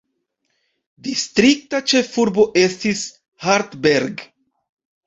Distrikta ĉefurbo estis Hartberg.